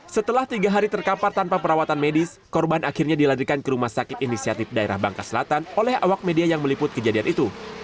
setelah tiga hari terkapar tanpa perawatan medis korban akhirnya dilarikan ke rumah sakit inisiatif daerah bangka selatan oleh awak media yang meliput kejadian itu